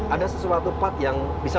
ada sesuatu part yang bisa